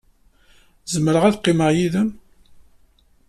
Zemreɣ ad qqimeɣ yid-m?